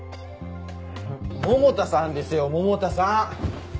百田さんですよ百田さん！